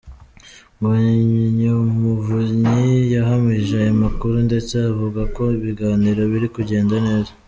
Mbonyumuvunyi yahamije aya makuru ndetse avuga ko ibiganiro biri kugenda neza.